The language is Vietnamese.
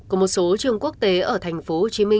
của một số trường quốc tế ở tp hcm